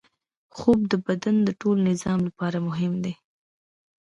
خوب د بدن د ټول نظام لپاره مهم دی